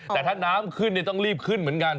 แต่ถ้าน้ำขึ้นต้องรีบขึ้นเหมือนกัน